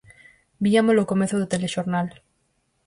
Viámolo ao comezo do telexornal.